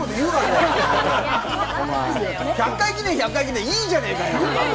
１００回記念、１００回記念いいじゃねぇかよお前！